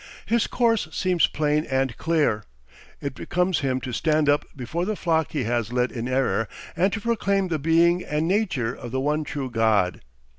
His course seems plain and clear. It becomes him to stand up before the flock he has led in error, and to proclaim the being and nature of the one true God.